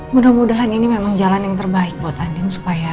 mudah mudahan ini memang jalan yang terbaik buat andin supaya